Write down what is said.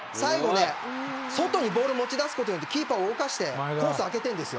外にボールをもち出すことによりキーパーを動かしてコースを空けているんです。